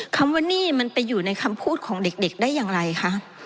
คำว่านี่มันไปอยู่ในคำพูดของเด็กได้อย่างไรคะ